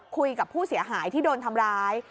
คุยกับผู้เสียหายที่โดนทำร้าย